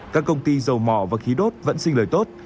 các công ty dầu mỏ và khí đốt vẫn sinh lời tốt